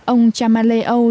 ông cha male âu